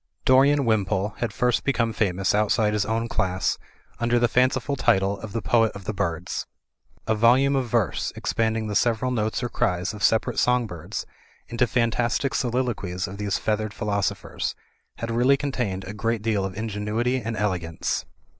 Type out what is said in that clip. Dorian Wimpole had first become famous outside his own class under the fanciful title of the Poet of the Birds. A volume of verse, expand ing the several notes or cries of separate song birds into fantastic soliloquies of these feathered philosophers, had really contained a great deal of ingenuity and elegance.